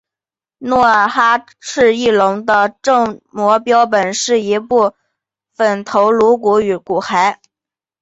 努尔哈赤翼龙的正模标本是一个部份头颅骨与骨骸。